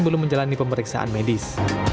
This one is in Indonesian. belum menjalani pemeriksaan medis